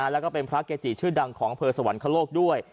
แล้วก็เป็นพระเกจิชื่อดังของอำเภอสวรรคโลกด้วย